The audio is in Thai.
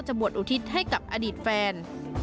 บวชอุทิศให้กับอดีตแฟน